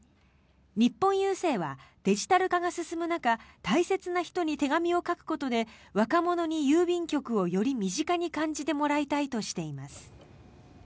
日本郵政はデジタル化が進む中大切な人に手紙を書くことで若者に郵便局をより身近に感じてもらいたいとしています。